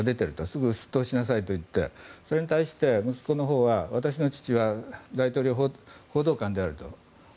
すぐ出頭しなさいと言ってそれに対して息子のほうは私の父は大統領報道官であると。